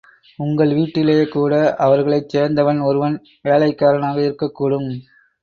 உங்கள் வீட்டிலேகூட, அவர்களைச் சேர்ந்தவன் ஒருவன் வேலைக்காரனாக இருக்கக்கூடும்!